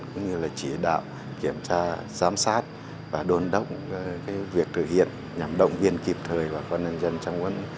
cũng như là chỉ đạo kiểm tra giám sát và đồn đốc việc thực hiện nhằm động viên kịp thời bà con nhân dân trong quân